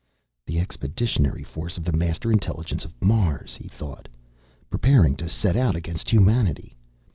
"The expeditionary force of the Master Intelligence of Mars," he thought, "preparing to set out against humanity!